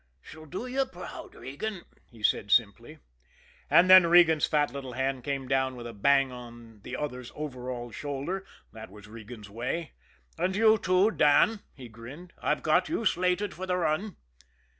"She'll do you proud, Regan," he said simply. And then Regan's fat little hand came down with a bang on the other's overalled shoulder that was Regan's way. "And you, too, Dan," he grinned. "I got you slated for the run."